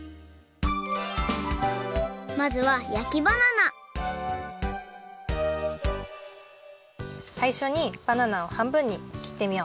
まずはさいしょにバナナをはんぶんにきってみよう。